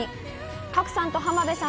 賀来さんと浜辺さん